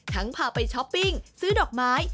พาไปช้อปปิ้งซื้อดอกไม้